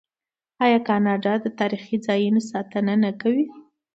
آیا کاناډا د تاریخي ځایونو ساتنه نه کوي؟